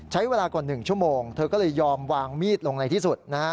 ใช้เวลากว่า๑ชั่วโมงเธอก็เลยยอมวางมีดลงในที่สุดนะฮะ